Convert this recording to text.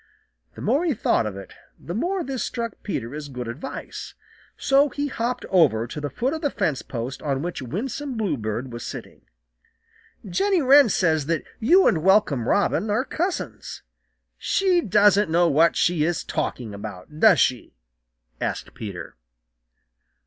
The more he thought of it, the more this struck Peter as good advice. So he hopped over to the foot of the fence post on which Winsome Bluebird was sitting. "Jenny Wren says that you and Welcome Robin are cousins. She doesn't know what she is talking about, does she?" asked Peter.